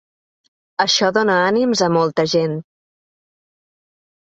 Això dóna ànims a molta gent.